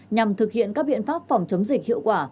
nhằm thực hiện các biện pháp phòng chống dịch hiệu quả